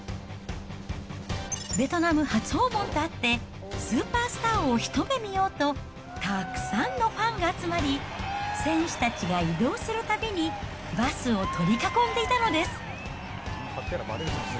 ベトナム初訪問とあって、スーパースターを一目見ようと、たくさんのファンが集まり、選手たちが移動するたびに、バスを取り囲んでいたのです。